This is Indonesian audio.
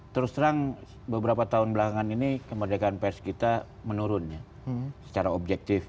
terus terang beberapa tahun belakangan ini kemerdekaan pers kita menurun secara objektif